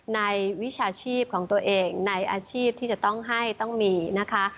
วิชาชีพของตัวเองในอาชีพที่จะต้องให้ต้องมีนะคะ